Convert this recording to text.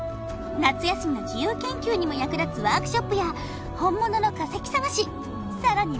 夏休みの自由研究にも役立つワークショップや本物の化石探しさらに